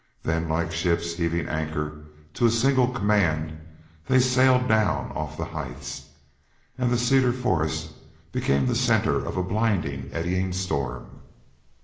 Then like ships heaving anchor to a single command they sailed down off the heights; and the cedar forest became the centre of a blinding, eddying storm.